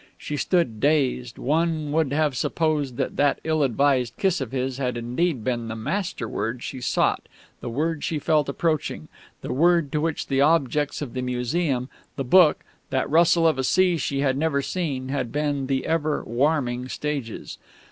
She stood dazed; one would have supposed that that ill advised kiss of his had indeed been the Master Word she sought, the Word she felt approaching, the Word to which the objects of the Museum, the book, that rustle of a sea she had never seen, had been but the ever "warming" stages.